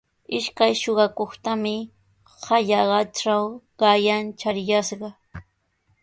Ishkay suqakuqtami hallaqatraw qanyan chariyashqa.